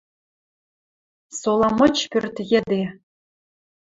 Сола мыч пӧрт йӹде